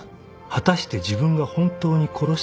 ［果たして自分が本当に殺したのか？］